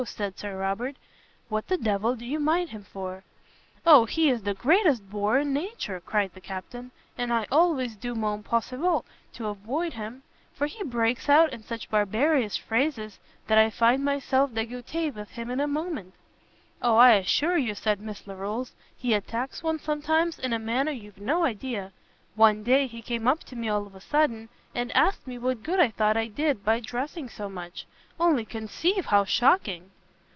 said Sir Robert, "what the d l do you mind him for?" "O he is the greatest bore in nature!" cried the Captain, "and I always do mon possible to avoid him; for he breaks out in such barbarous phrases, that I find myself degoute with him in a moment." "O, I assure you," said Miss Larolles, "he attacks one sometimes in a manner you've no idea. One day he came up to me all of a sudden, and asked me what good I thought I did by dressing so much? Only conceive how shocking!"